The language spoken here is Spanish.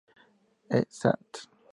E. Sants.